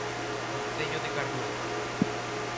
Concello de Carnota.